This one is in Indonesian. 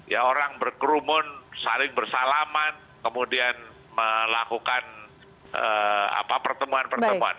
ya orang berkerumun saling bersalaman kemudian melakukan pertemuan pertemuan